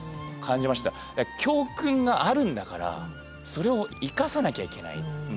教訓があるんだからそれを生かさなきゃいけない。